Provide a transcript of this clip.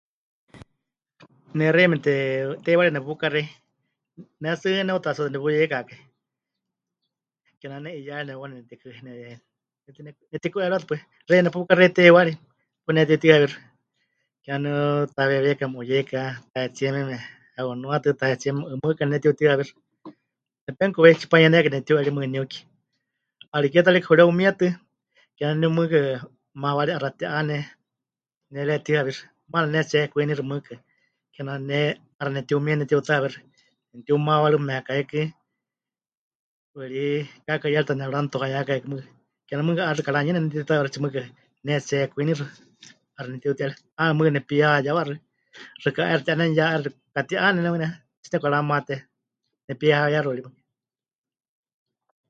Ne xeíme te... teiwari nepukaxei, ne tsɨ ne'utatsuátɨ nepuyeikakai, kename 'iyaari newaune netikɨ... ne... netine... netiku'eriwatɨ pues, xewítɨ nepukaxei teiwari, paɨ pɨnetiutihɨawíxɨ, kename waníu taweewíekame 'uyeika, tahetsíe heunuatɨ, tahetsíe mieme 'umɨka pɨnetiutihɨawíxɨ, nepenukuwei, tsipanuyɨnékai nepɨtiu'eri mɨɨkɨ niuki. ‘Ariké ta rikɨ reumietɨ kename waníu mɨɨkɨ maawari 'axa ti'ane pɨneretihɨawíxi, maana pɨnetsihekwiinixɨ mɨɨkɨ, kename ne 'axa netiumie pɨnetiutahɨawíxɨ, nemɨtiumaawárɨmekaikɨ, paɨrí, kaakaɨyarita nemɨranutuayakáikɨ mɨɨkɨ, kename mɨɨkɨ 'aixɨ karanuyɨne mɨnetiutahɨawíxɨtsie mɨɨkɨ pɨnetsihekwiinixɨ, 'axa nepɨtiuti'eri, 'aana mɨɨkɨ nepihayewaxɨ. Xɨka 'aixɨ ti'aneni ya 'aixɨ pɨkati'ane ne mɨɨkɨ ne 'aatsí nepɨkaramate, nepihayewaxɨ ri mɨɨkɨ.